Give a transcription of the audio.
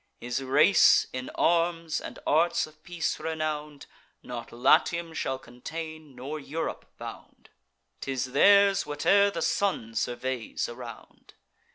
His race, in arms and arts of peace renown'd, Not Latium shall contain, nor Europe bound: 'Tis theirs whate'er the sun surveys around."